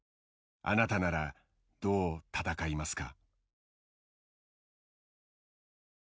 あなたならどう戦いますか」。